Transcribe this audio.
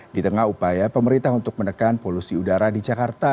di tengah upaya pemerintah untuk menekan polusi udara di jakarta